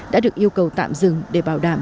đã được yêu cầu tạm dừng để bảo đảm